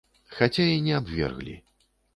Хаця і не абверглі.